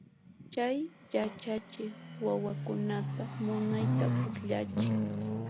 Chay yachachiq wawakunata munayta pukllachin.